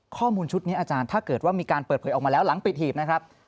ข้อมูลชุดนี้อาจารย์ถ้าเกิดว่ามีการเปิดเผยออกมาแล้วหลังปิดหีบนะครับ